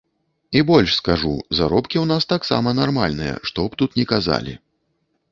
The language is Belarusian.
І больш скажу, заробкі ў нас таксама нармальныя, што б тут ні казалі.